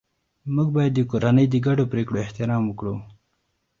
موږ باید د کورنۍ د ګډو پریکړو احترام وکړو